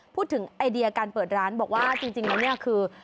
ไอเดียการเปิดร้านบอกว่าจริงแล้วเนี่ยคือ